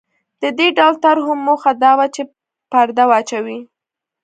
د دې ډول طرحو موخه دا وه چې پرده واچوي.